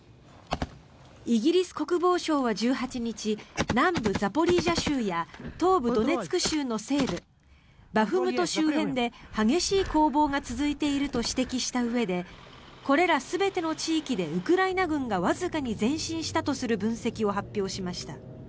イギリス国防省は１８日南部ザポリージャ州や東部ドネツク州の西部バフムト周辺で激しい攻防が続いていると指摘したうえでこれら全ての地域でウクライナ軍がわずかに前進したとする分析を発表しました。